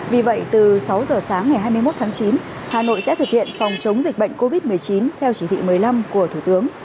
vì vậy từ sáu giờ sáng ngày hai mươi một tháng chín hà nội sẽ thực hiện phòng chống dịch bệnh covid một mươi chín theo chỉ thị một mươi năm của thủ tướng